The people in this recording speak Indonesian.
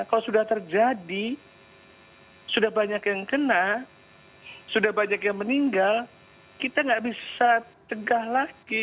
kalau sudah terjadi sudah banyak yang kena sudah banyak yang meninggal kita nggak bisa tegah lagi